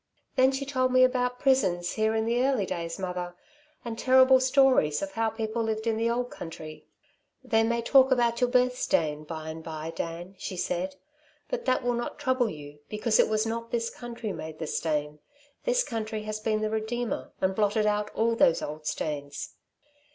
"Then she told me about prisons here in the early days, mother, and terrible stories of how people lived in the old country. 'They may talk about your birthstain by and by, Dan,' she said, 'but that will not trouble you, because it was not this country made the stain. This country has been the redeemer and blotted out all those old stains.'"